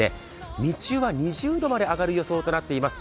日中は２０度まで上がる予想となっています。